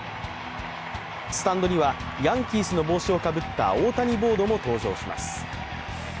スタンドにはヤンキースの帽子をかぶった大谷ボードも登場します。